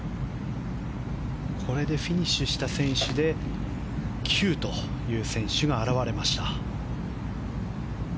これでフィニッシュした選手で９という選手が現れました。